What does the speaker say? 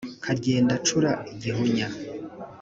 Karyenda cura igihunya